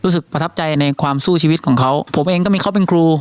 ประทับใจในความสู้ชีวิตของเขาผมเองก็มีเขาเป็นครู